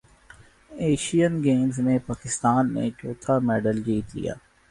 Asian Games میں پاکستان نے چوتھا میڈل جیت لیا